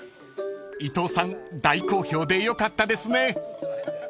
［伊藤さん大好評でよかったですね］